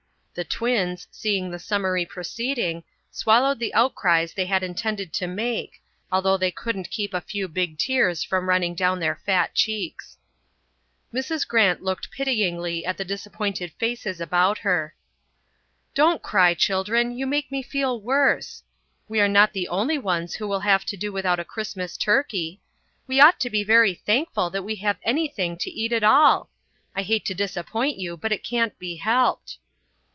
The twins, seeing the summary proceeding, swallowed the outcries they had intended to make, although they couldn't keep a few big tears from running down their fat cheeks. Mrs. Grant looked pityingly at the disappointed faces about her. "Don't cry, children, you make me feel worse. We are not the only ones who will have to do without a Christmas turkey. We ought to be very thankful that we have anything to eat at all. I hate to disappoint you, but it can't be helped."